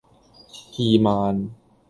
二萬